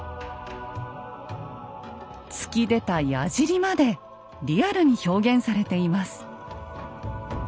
突き出た矢じりまでリアルに表現されています。